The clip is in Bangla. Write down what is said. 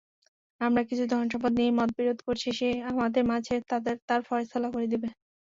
আমরা কিছু ধনসম্পদ নিয়ে মতবিরোধ করছি সে আমাদের মাঝে তার ফয়সালা করে দিবে।